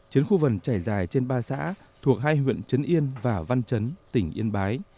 chiến khu vần trải dài trên ba xã thuộc hai huyện trấn yên và văn chấn tỉnh yên bái